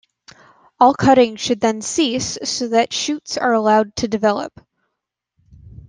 All cutting should then cease so that shoots are allowed to develop.